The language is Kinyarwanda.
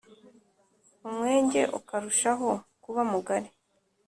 umwenge ukarushaho kuba mugari